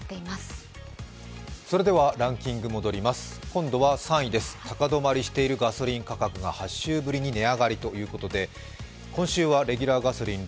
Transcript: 今度は３位です、高止まりしているガソリン価格が８週ぶりに値上がりということで今週はレギュラーガソリン、